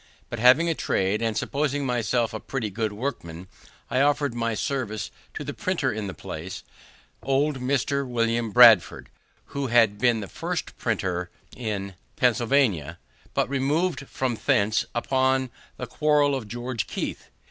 But, having a trade, and supposing myself a pretty good workman, I offer'd my service to the printer in the place, old Mr. William Bradford, who had been the first printer in Pennsylvania, but removed from thence upon the quarrel of George Keith.